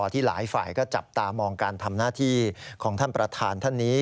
ที่หลายฝ่ายก็จับตามองการทำหน้าที่ของท่านประธานท่านนี้